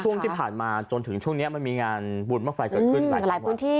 ช่วงที่ผ่านมาจนถึงช่วงเนี้ยมันมีงานบุญบ้างไฟเกิดขึ้นหลายพื้นที่